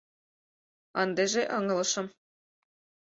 Ындыже ыҥылышым...